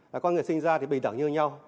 và con người sinh ra thì bình đẳng như nhau